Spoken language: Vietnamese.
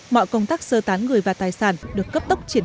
mọi công tác sơ tán người và tài sản được cấp tốc chiến hai